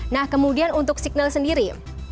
nah kemudian untuk signal sendiri